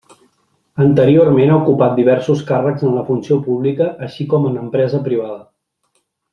Anteriorment ha ocupat diversos càrrecs en la funció pública així com en empresa privada.